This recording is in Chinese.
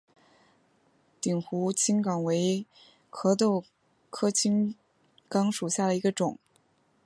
鼎湖青冈为壳斗科青冈属下的一个种。